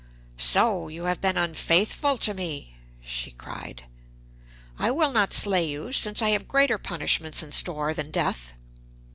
'So! you have been unfaithful to me!' she cried. 'I will not slay you, since I have greater punishments in store than death....